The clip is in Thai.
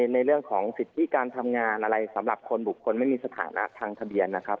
ในเรื่องของสิทธิการทำงานอะไรสำหรับคนบุคคลไม่มีสถานะทางทะเบียนนะครับ